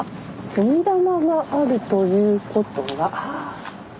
杉玉があるということは。